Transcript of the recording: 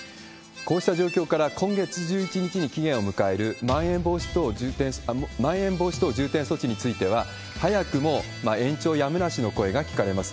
こうした状況から、今月１１日に期限を迎えるまん延防止等重点措置については、早くも延長やむなしの声が聞かれます。